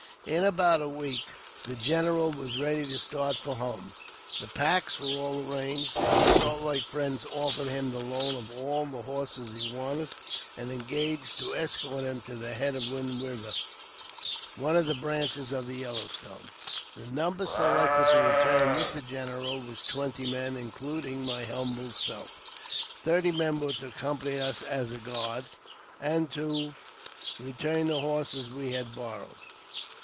In about a week the general was ready to start for home. The packs were all arranged; our Salt Lake friends offered him the loan of all the horses he wanted, and engaged to escort him to the head of Wind Eiver, one of the branches of the Yellow Stone. The number selected to return with the general was twenty men, including my humble self; thirty men were to accompany us as a guard, and to return the horses we had borrowed.